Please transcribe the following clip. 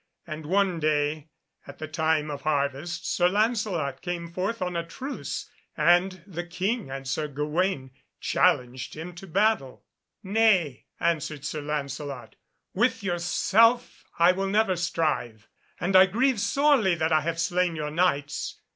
And one day, at the time of harvest, Sir Lancelot came forth on a truce, and the King and Sir Gawaine challenged him to do battle. "Nay," answered Sir Lancelot, "with yourself I will never strive, and I grieve sorely that I have slain your Knights.